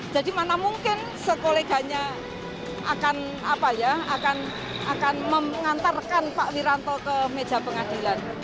jadi mana mungkin sekoleganya akan mengantarkan pak wiranto ke meja pengadilan